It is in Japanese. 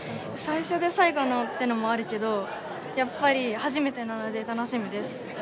最初で最後のってのもあるけどやっぱり初めてなので楽しみです